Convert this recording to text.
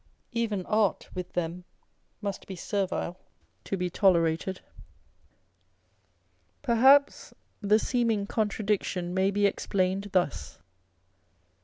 Even art with them must be servile, to be tolerated. Perhaps the seeming contradiction may be explained thus.